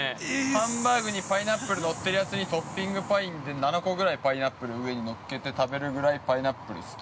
◆ハンバーグにパイナップル載ってるやつに、トッピングパインで７個ぐらいパイナップル上に載っけて食べるぐらいパイナップル好き。